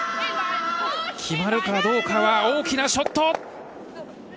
決まるかどうかは大きなショット。